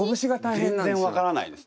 全然分からないです。